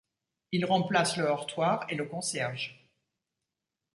Il remplace le heurtoir et le concierge.